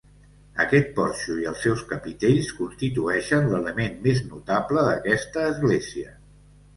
Aquest porxo i els seus capitells constitueixen l'element més notable d'aquesta església.